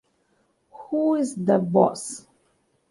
Who's the Boss?